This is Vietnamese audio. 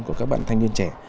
của các bạn thanh niên trẻ